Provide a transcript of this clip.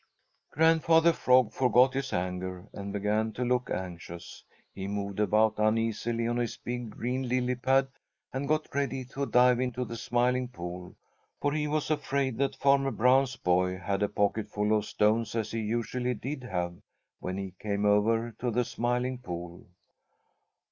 Grandfather Frog forgot his anger and began to look anxious. He moved about uneasily on his big green lily pad and got ready to dive into the Smiling Pool, for he was afraid that Farmer Brown's boy had a pocketful of stones as he usually did have when he came over to the Smiling Pool.